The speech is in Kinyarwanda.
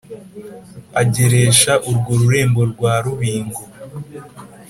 Ageresha urwo rurembo rwa rubingo,